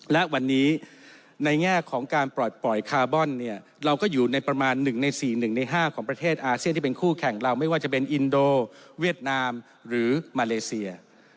และวันนี้ในแง่ของการปล่อยคาร์บอนเนี่ยเราก็อยู่ในประมาณ๑ใน๔๑ใน๕ของประเทศอาเซียนที่เป็นคู่แข่งเราไม่ว่าจะเป็นอินโดเวียดนามหรือมาเลเซีย